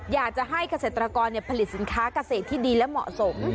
อยากจะให้เกษตรกรผลิตสินค้าเกษตรที่ดีและเหมาะสม